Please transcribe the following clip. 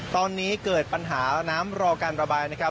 ตอนนี้เกิดปัญหาน้ำรอการระบายนะครับ